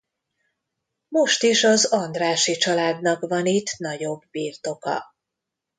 Most is az Andrássy családnak van itt nagyobb birtoka.